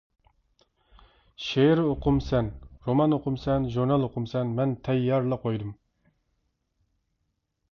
شېئىر ئوقۇمسەن، رومان ئوقۇمسەن، ژۇرنال ئوقۇمسەن مەن تەييارلا قويدۇم.